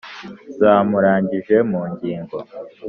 zamurangije mu ngingo